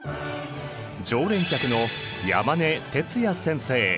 常連客の山根徹也先生。